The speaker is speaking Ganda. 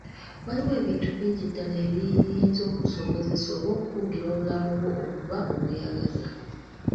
Waliwo ebintu bingi ddala ebiyinza okukusobozesa oba okukugira obulamu bwo okuba obweyagaza.